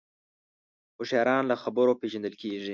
هوښیاران له خبرو پېژندل کېږي